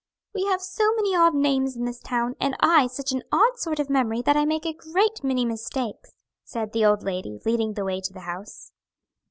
"We have so many odd names in this town, and I such an odd sort of memory, that I make a great many mistakes," said the old lady, leading the way to the house.